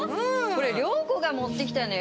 これ涼子が持ってきたのよ。